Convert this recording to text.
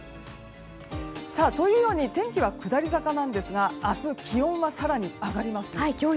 というように天気は下り坂なんですが明日、気温は更に上がります。